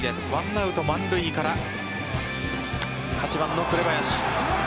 １アウト満塁から８番の紅林。